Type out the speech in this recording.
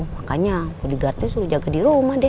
makanya oligarki suruh jaga di rumah deh